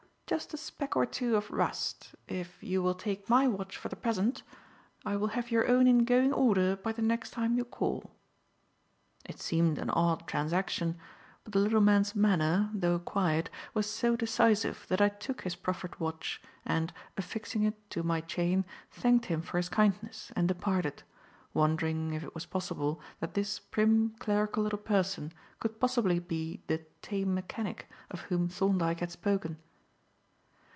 "Just a speck or two of rust. If you will take my watch for the present, I will have your own in going order by the next time you call." It seemed an odd transaction; but the little man's manner, though quiet, was so decisive that I took his proffered watch, and, affixing it to my chain, thanked him for his kindness and departed, wondering if it was possible that this prim clerical little person could possibly be the "tame mechanic" of whom Thorndyke had spoken.